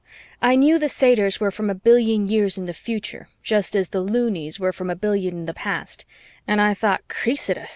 I knew the satyrs were from a billion years in the future, just as the Loonies were from a billion in the past, and I thought Kreesed us!